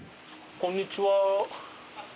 こんにちは。